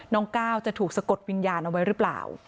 ก้าวจะถูกสะกดวิญญาณเอาไว้หรือเปล่า